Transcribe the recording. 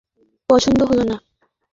এই নামে আমাকে ডাকাটা পছন্দ হলো না!